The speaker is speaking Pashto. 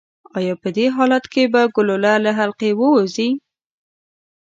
ایا په دې حالت کې به ګلوله له حلقې ووځي؟